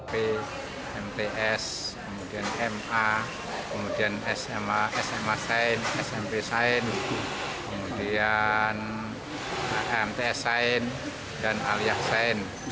p mts kemudian ma kemudian sma sain smp sain kemudian mts sain dan aliyah sain